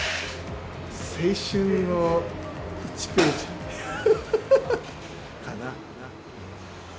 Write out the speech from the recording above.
青春の１ページかな。